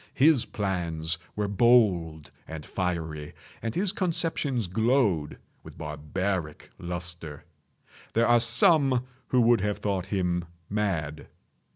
His plans were bold and fiery, and his conceptions glowed with barbaric lustre. There are some who would have thought him mad.